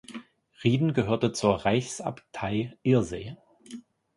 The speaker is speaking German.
Rieden gehörte zur Reichsabtei Irsee.